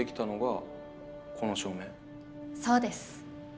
そうです。